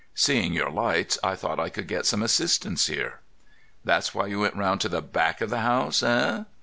Seeing your lights, I thought I could get some assistance here." "That's why you went round to the back of the house, eh?"